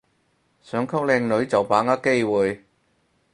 想溝靚女就把握機會